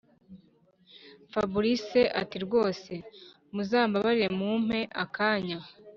fabric ati”rwose muzambabarire mumpe akanya